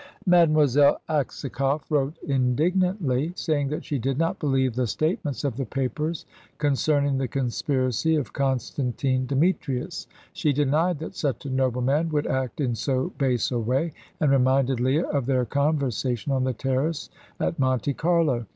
Mademoiselle Aksakoff wrote indignantly, saying that she did not believe the statements of the papers concerning the conspiracy of Constantine Demetrius. She denied that such a noble man would act in so base a way, and reminded Leah of their conversation on the terrace at Monte Carlo.